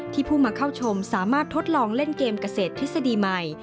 ผู้มาเข้าชมสามารถทดลองเล่นเกมเกษตรทฤษฎีใหม่